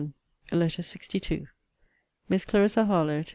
LETTER LXII MISS CLARISSA HARLOWE, TO MRS.